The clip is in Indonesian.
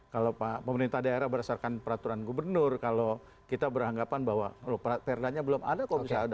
kalau pemerintah daerah berdasarkan peraturan gubernur kalau kita beranggapan bahwa perdanya belum ada kok bisa ada